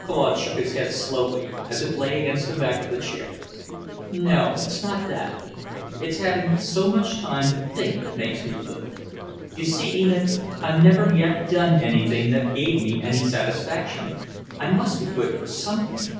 Claude shook his head slowly, as it lay against the back of the chair. "No, it's not that. It's having so much time to think that makes me blue. You see, Enid, I've never yet done anything that gave me any satisfaction. I must be good for something.